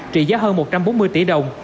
trị giá hơn một trăm bốn mươi tỷ đồng